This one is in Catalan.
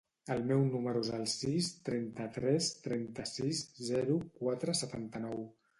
El meu número es el sis, trenta-tres, trenta-sis, zero, quatre, setanta-nou.